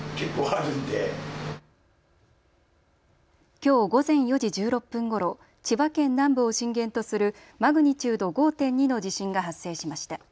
きょう午前４時１６分ごろ、千葉県南部を震源とするマグニチュード５．２の地震が発生しました。